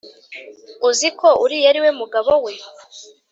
uziko uriya ari we mugabo we